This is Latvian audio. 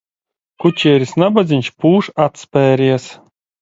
Kučieris, nabadziņš, pūš atspēries.